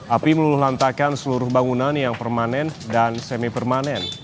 api meluluh lantakan seluruh bangunan yang permanen dan semi permanen